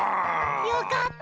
よかった！